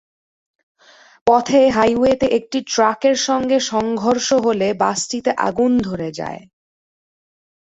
পথে হাইওয়েতে একটি ট্রাকের সঙ্গে সংঘর্ষ হলে বাসটিতে আগুন ধরে যায়।